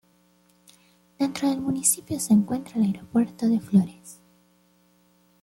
Dentro del municipio se encuentra el aeropuerto de Flores.